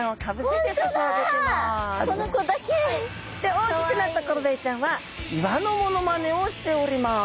大きくなったコロダイちゃんは岩のモノマネをしております。